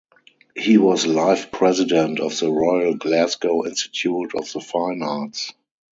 He was Life-President of the Royal Glasgow Institute of the Fine Arts.